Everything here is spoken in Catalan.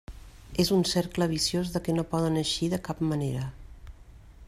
És un cercle viciós de què no poden eixir de cap manera.